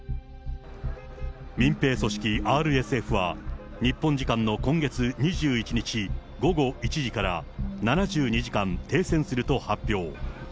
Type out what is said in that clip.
民兵組織ＲＳＦは、日本時間の今月２１日午後１時から７２時間停戦すると発表。